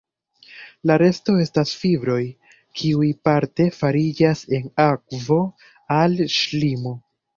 La resto estas fibroj, kiuj parte fariĝas en akvo al ŝlimo.